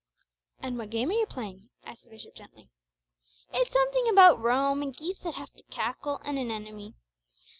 "And what game are you playing?" asked the bishop gently. "It's something about Rome and geeth that have to cackle, and an enemy.